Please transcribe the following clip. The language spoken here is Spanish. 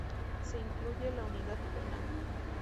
Se incluye la Unidad Penal.